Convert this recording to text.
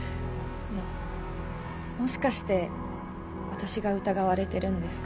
あのもしかして私が疑われてるんですか？